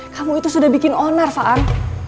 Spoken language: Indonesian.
kamu itu sudah bikin onar faan